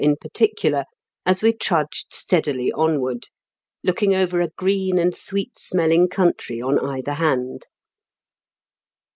in particular, a^ we trudged steadily onwaxd, looking over a green and sweet smelling \ country on either hand.